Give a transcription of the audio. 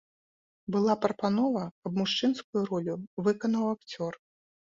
Была прапанова, каб мужчынскую ролю выканаў акцёр.